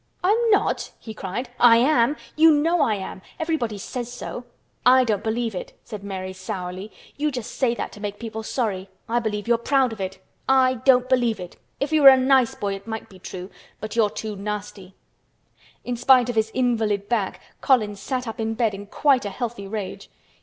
"I'm not?" he cried. "I am! You know I am! Everybody says so." "I don't believe it!" said Mary sourly. "You just say that to make people sorry. I believe you're proud of it. I don't believe it! If you were a nice boy it might be true—but you're too nasty!" In spite of his invalid back Colin sat up in bed in quite a healthy rage.